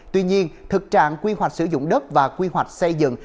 tuy nhiên thực trạng quy hoạch sử dụng đất và quy hoạch xây dựng